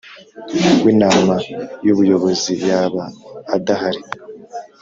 w Inama y Ubuyobozi yaba adahari